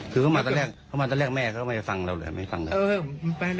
คือเขามาตั้งแต่แรกแม่เขาไม่ฟังเราเลยไม่ฟังเรา